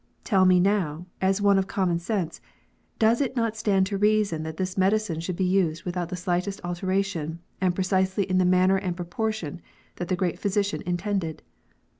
Tell me now, as one of common sense, does it not stand to reason that this medicine should be used without the slightest alteration, and precisely in the manner and proportion that the great Physician intended?